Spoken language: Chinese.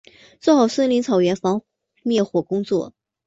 做好森林草原防灭火工作